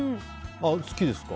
好きですか？